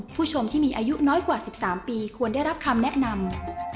ผู้ชมที่มีอายุน้อยกว่า๑๓ปีควรได้รับคำแนะนำ